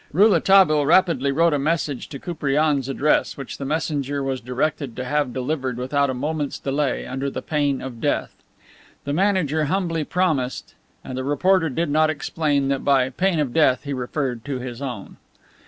Rouletabille rapidly wrote a message to Koupriane's address, which the messenger was directed to have delivered without a moment's delay, under the pain of death! The manager humbly promised and the reporter did not explain that by "pain of death" he referred to his own.